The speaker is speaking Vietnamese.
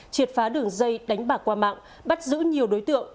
triệt phá đường dây đánh bạc qua mạng bắt giữ nhiều đối tượng